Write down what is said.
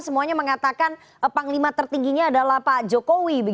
semuanya mengatakan panglima tertingginya adalah pak jokowi